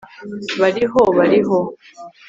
bariho. bariho